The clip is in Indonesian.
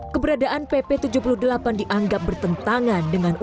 keberadaan pp tujuh puluh delapan dianggap bertentangan dengan usaha